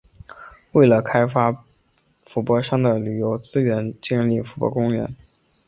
为了开发伏波山的旅游资源建伏波公园。